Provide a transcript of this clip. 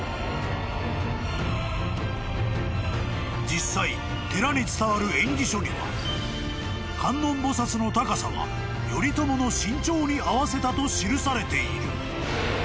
［実際寺に伝わる縁起書には観音菩薩の高さは頼朝の身長に合わせたと記されている］